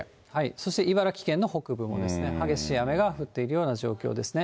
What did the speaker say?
そして茨城県の北部も、激しい雨が降っているような状況ですね。